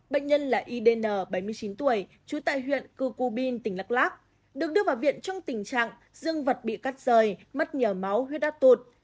bệnh nhân là idn bảy mươi chín tuổi trú tại huyện cư cù binh tỉnh lạc lạc được đưa vào viện trong tình trạng dương vật bị cắt rời mất nhiều máu huyết đá tụt